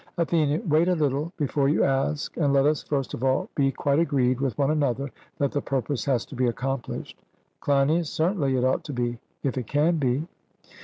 ATHENIAN: Wait a little before you ask; and let us, first of all, be quite agreed with one another that the purpose has to be accomplished. CLEINIAS: Certainly, it ought to be, if it can be.